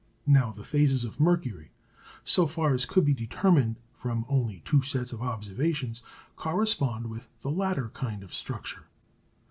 Now the phases of Mercury so far as could be determined from only two sets of observations correspond with the latter kind of structure.